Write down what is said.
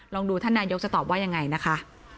ลองดูท่านนายกจะตอบว่ายังไงนะคะ